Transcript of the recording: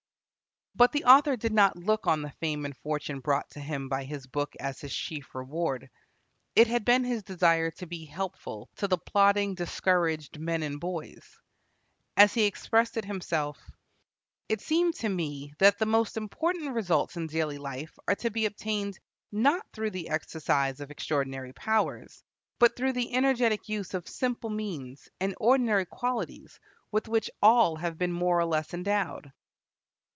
But the author did not look on the fame and fortune brought to him by his book as his chief reward. It had been his desire to be helpful to the plodding, discouraged men and boys. As he expressed it himself: "It seemed to me that the most important results in daily life are to be obtained, not through the exercise of extraordinary powers, but through the energetic use of simple means, and ordinary qualities, with which all have been more or less endowed."